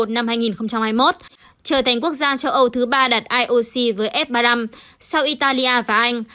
trở thành quốc gia châu âu thứ ba đạt ioc với f ba mươi năm sau italia và anh